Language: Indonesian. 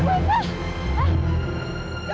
masih temennya saya